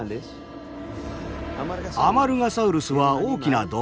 アマルガサウルスは大きな動物でした。